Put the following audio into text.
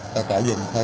cho cả dịch thôi